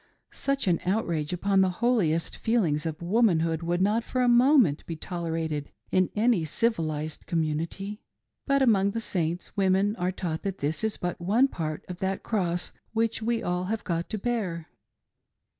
Such an outrage upon the holiest feel ings of womanhood would not for a moment be tolerated in any civilised community ; but among the Saints women are taught that this is but one part of that cross which we all have got to bear.